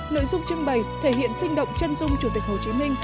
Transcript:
nội dung trưng bày thể hiện sinh động chân dung chủ tịch hồ chí minh